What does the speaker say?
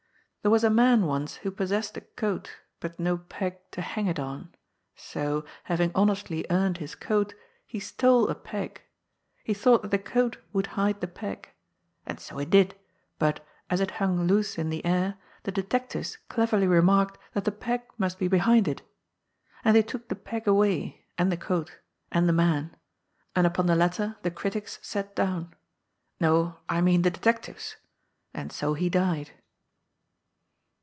There was a man once who possessed a coat but no peg to hang it on. So, having honestly earned his coat, he stole a peg. He thought that the coat would hide the peg. And so it did, but, as it hung loose in the air, the detectives cleverly remarked that the peg must be behind it And they took the peg away, and the coat, and the 94 GOD'S POOL. man ; and upon the latter the critics sat down — ^no, I mean the detectives. And so he died.